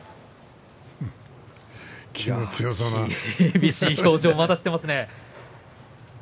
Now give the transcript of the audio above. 厳しい表情をまだしていますね。